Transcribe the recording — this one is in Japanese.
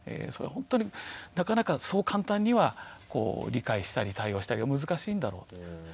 それはほんとになかなかそう簡単には理解したり対応したりが難しいんだろうと。